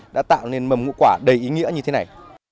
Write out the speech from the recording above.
đã tạo nên mầm ngũ quả đầy ý nghĩa như thế này